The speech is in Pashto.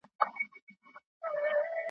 زه په تا پسي ځان نه سم رسولای .